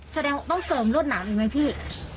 แสดงว่าต้องเสริมรวดหนามอีกไหมพี่